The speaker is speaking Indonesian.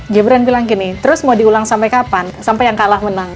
gibran bilang gini terus mau diulang sampai kapan sampai yang kalah menang